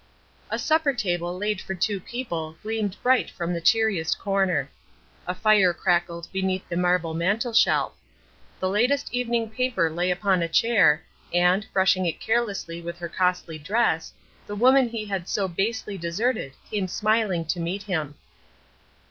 A supper table laid for two people gleamed bright from the cheeriest corner. A fire crackled beneath the marble mantelshelf. The latest evening paper lay upon a chair; and, brushing it carelessly with her costly dress, the woman he had so basely deserted came smiling to meet him.